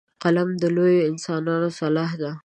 قلم د لویو انسانانو سلاح ده